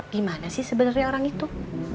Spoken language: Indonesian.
gimana sih sebenarnya orang itu